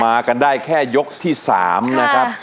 มากันได้แค่ยกที่๓นะครับ